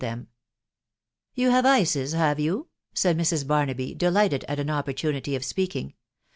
• to them. , C( You have ices, have you ?" said Mrs. Barnaby, rirligfratd , at jw opportunity of speaking